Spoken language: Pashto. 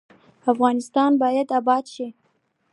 افغانستان باید اباد شي